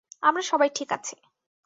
আমরা সবাই ঠিক আছি।